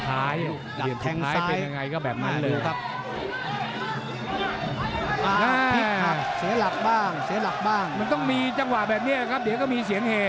อันมาเรื่อยก็มีเสียงเฮ